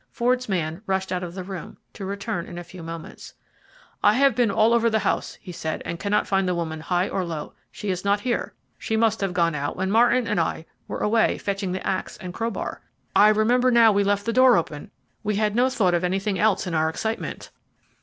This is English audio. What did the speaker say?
Ford's man rushed out of the room, to return in a few moments. "I have been all over the house," he said, "and cannot find the woman high or low. She is not here she must have gone out when Martin and I were away fetching the axe and crowbar. I remember now, we left the door open we had no thought of anything else in our excitement."